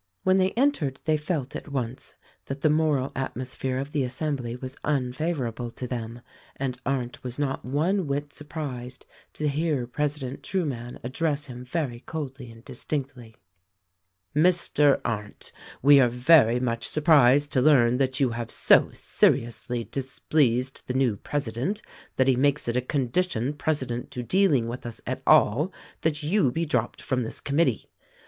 When they entered they felt at once that the moral atmos phere of the assembly was unfavorable to them, and Arndt was not one whit surprised to hear president Trueman ad dress him very coldly and distinctly: "Mr. Arndt, we are 264 THE RECORDING ANGEL 265 very much surprised to learn that you have so seriously displeased the new president that he makes it a condition pre cedent to dealing with us at all that you be dropped from this committee.